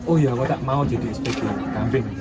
oh ya kok tak mau jadi spg kambing daripada pemutih atau apa